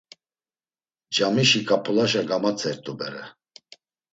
Camişi ǩap̌ulaşa gamatzert̆u bere.